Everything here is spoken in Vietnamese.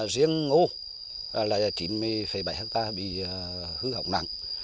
riêng ngô là chín mươi bảy hectare bị hư hỏng nặng